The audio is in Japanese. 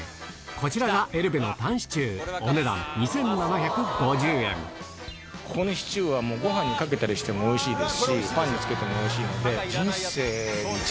こちらがエルベのここのシチューはご飯にかけたりしてもおいしいですしパンにつけてもおいしいので。